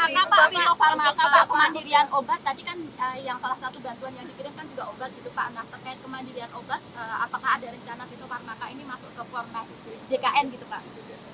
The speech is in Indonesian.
apakah ada rencana pak fito pharma ini masuk ke form jkn gitu pak